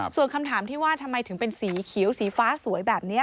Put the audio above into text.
ส่วนคำถามที่ว่าทำไมถึงเป็นสีเขียวสีฟ้าสวยแบบนี้